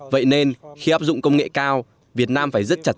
vậy nên khi áp dụng công nghệ cao việt nam phải rất chặt chẽ